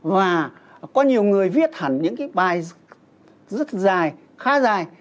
và có nhiều người viết hẳn những cái bài rất dài khá dài